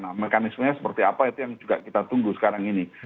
nah mekanismenya seperti apa itu yang juga kita tunggu sekarang ini